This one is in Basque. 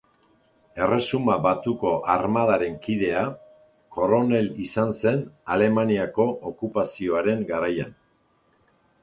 Erresuma Batuko Armadaren kidea, koronel izan zen Alemaniako okupazioaren garaian.